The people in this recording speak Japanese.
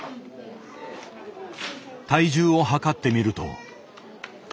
体重をはかってみると。